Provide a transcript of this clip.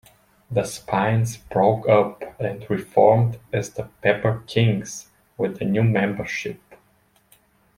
The Spines broke up and re-formed as the Pepper Kings with new membership.